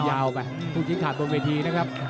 ยาวไปผู้ทิ้งขาดบนเวทีนะครับ